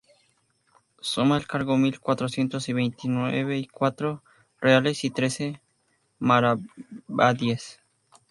Suma el cargo mil cuatrocientos y veinte y cuatro reales y trece maravedíes.